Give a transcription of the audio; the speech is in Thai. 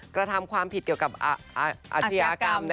กระทำความผิดเกี่ยวกับอาชญากรรม